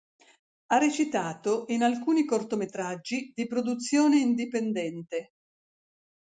Ha recitato in alcuni cortometraggi di produzione indipendente.